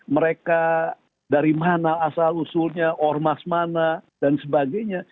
mereka dari mana asal usulnya ormas mana dan sebagainya